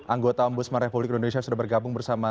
anggota ombudsman republik indonesia sudah bergabung bersama